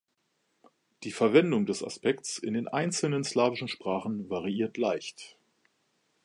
Die Verwendung des Aspekts in den einzelnen slawischen Sprachen variiert leicht.